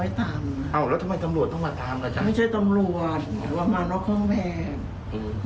อ้อแล้วทำไมตำรวจต้องมาตามรู้จักไม่ใช่ตำรวจหรือว่ามานอกห้องแบบอืม